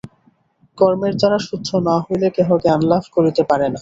কর্মের দ্বারা শুদ্ধ না হইলে কেহ জ্ঞানলাভ করিতে পারে না।